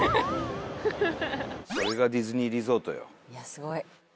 すごい。